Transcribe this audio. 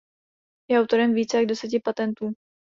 Je autorem více jak deseti patentů.